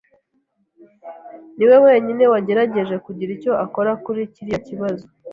niwe wenyine wagerageje kugira icyo akora kuri kiriya kibazo.